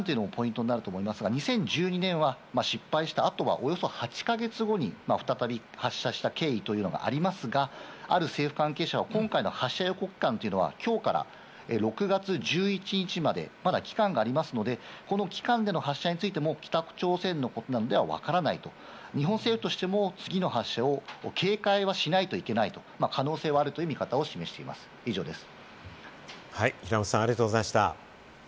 いつ打ち上げるかの期間もポイントになると思いますが、２０１２年は失敗した後はおよそ８か月後に再び発射した経緯がありますが、ある政府関係者は今回の発射予告間はきょうから６月１１日まで、まだ期間がありますので、この期間での発射についても、北朝鮮のことなのでわからないと、日本政府としても次の発射を警戒はしないといけないと可能性はあるという見方を示しています、以上です。